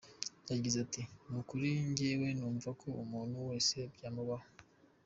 Yagize ati : "Kuri njyewe numva ko umuntu wese byamubaho.